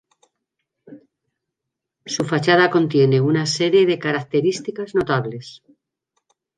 Su fachada contiene una serie de características notables.